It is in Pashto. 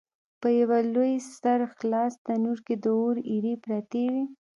په یوه لوی سره خلاص تنور کې د اور ایرې پرتې وې.